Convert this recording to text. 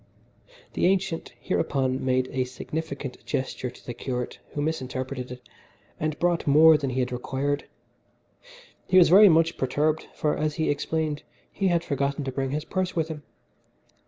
The ancient hereupon made a significant gesture to the curate, who misinterpreted it, and brought more than he had required. He was very much perturbed, for, as he explained, he had forgotten to bring his purse with him.